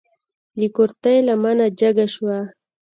د کورتۍ لمنه جګه شوه.